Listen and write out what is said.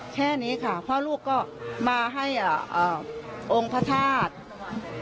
แค่นี้ค่ะพ่อลูกก็มาให้องค์พระธาตุ